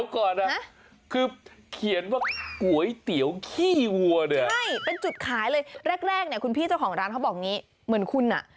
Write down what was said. เพื่อที่จะทำการดับกลิ่นขาวของมันก่อน